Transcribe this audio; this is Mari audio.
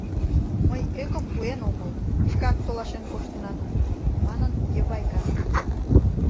— Мый ӧкым пуэн омыл, шкак толашен коштынат, — манын Йывайка.